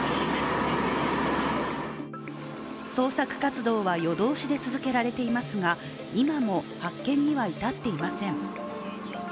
捜索活動は夜通しで続けられていますが今も発見には至っていません。